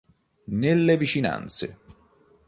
Nelle vicinanze.